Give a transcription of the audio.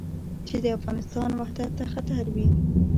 چې د افغانستان وحدت ته خطر وي.